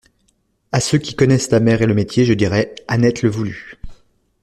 A ceux qui connaissent la mer et le métier, je dirai : Annette le voulut.